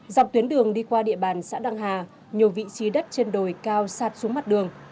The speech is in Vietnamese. dọc tuyến đường đi qua địa bàn xã đăng hà nhiều vị trí đất trên đồi cao sạt xuống mặt đường